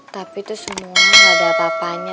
tapi itu semuanya gak ada apa apanya